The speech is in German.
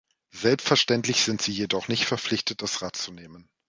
Selbstverständlich sind Sie jedoch nicht verpflichtet, das Rad zu nehmen.